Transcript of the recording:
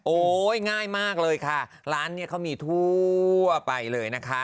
ง่ายมากเลยค่ะร้านนี้เขามีทั่วไปเลยนะคะ